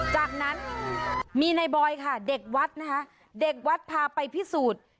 จากนั้นมีในบอยค่ะเด็กวัดนะคะเด็กวัดพาไปพิสูจน์